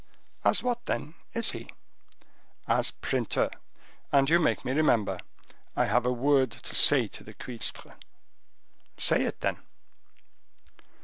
"As what, then, is he?" "As printer. And you make me remember, I have a word to say to the cuistre." "Say it, then."